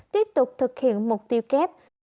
tiếp tục thực hiện mục tiêu kép